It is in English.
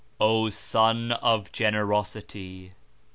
O, Son of Generosity!